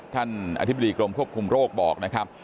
ท่านอธิบดีกรมควบคุมโรคบอกนะครับ